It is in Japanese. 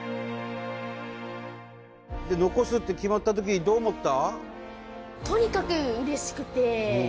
残すって決まったときにどう思った？